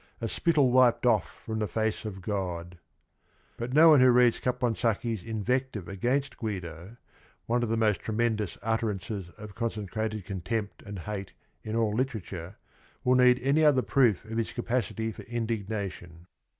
. A spittle wiped off from the face of God." But nci one who readsC aponsacchi 's. invpr»*iV«» against Guido, one of the most tremendous utterances of~concentrated cont empt andj iate in att TJTeTa^e^olLjifi H ~g"tiy o t h™ pi nnf ftfc his capacity f or indigna tion.